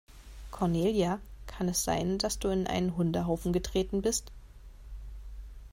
Cornelia, kann es sein, dass du in einen Hundehaufen getreten bist?